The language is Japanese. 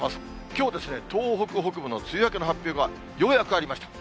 きょう、東北北部の梅雨明けの発表がようやくありました。